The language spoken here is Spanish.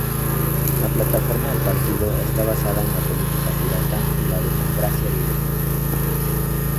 La plataforma del partido está basada en la política pirata y la democracia directa.